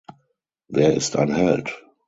Wer ist ein Held?